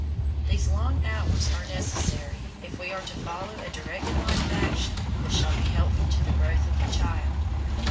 These long hours are necessary, if we are to follow a directed line of action which shall be helpful to the growth of the child.